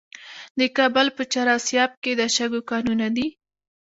د کابل په چهار اسیاب کې د شګو کانونه دي.